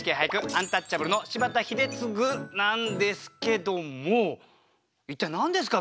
アンタッチャブルの柴田英嗣なんですけども一体何ですか？